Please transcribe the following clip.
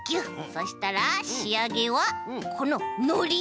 そしたらしあげはこののり。